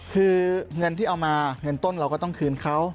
คือเงินที่เอามาเงินต้นเราก็ต้องคืนเขา